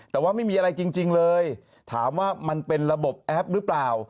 แต่ว่าไม่มีอะไรจริงเลยถามว่ามันเป็นระบบแอปหรือเปล่า